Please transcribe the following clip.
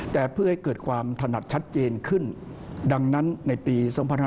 แต่เพื่อให้เกิดความถนัดชัดเจนขึ้นดังนั้นในปี๒๕๕๙